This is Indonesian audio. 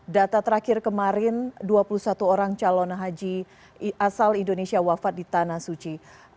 data terakhir kemarin dua puluh satu orang calon haji asal indonesia wafat di tanah suci